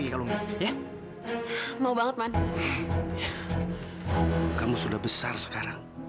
kamu sudah besar sekarang